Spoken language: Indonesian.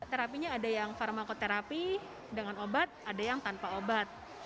terapinya ada yang pharmacoterapi dengan obat ada yang tanpa obat